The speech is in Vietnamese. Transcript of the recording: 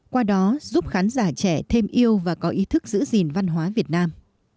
qua đó giúp khán giả trẻ thêm yêu và có ý thức giữ gìn văn hóa việt nam